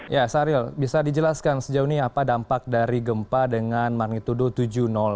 ya sahril bisa dijelaskan sejauh ini apa dampak dari gempa dengan magnitudo tujuh